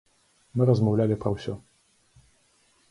Мы размаўлялі пра ўсё.